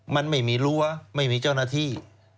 มันไม่มีรั้วไม่มีเจ้าหน้าที่